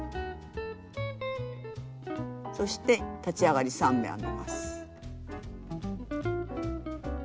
そして立ち上がり３目編みます。